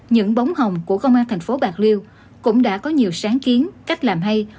những bóng hồng của công an tp bạc liêu cũng đã có nhiều sáng kiến cách làm hay